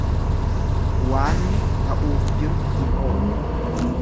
Waanni ta'uuf jiru hin oolu.